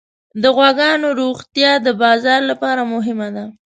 د غواګانو روغتیا د بازار لپاره مهمه ده.